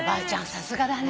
さすがだね。